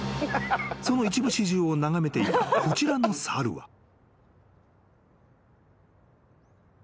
［その一部始終を眺めていたこちらの猿は］